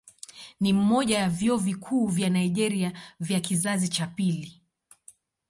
Ni mmoja ya vyuo vikuu vya Nigeria vya kizazi cha pili.